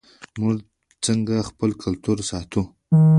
موږ څنګه خپل کلتور ساتو؟